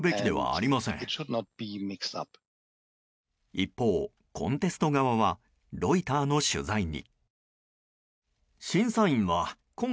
一方、コンテスト側はロイターの取材に。